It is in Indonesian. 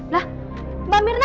lah mbak mirna